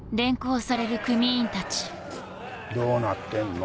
どうなってんの？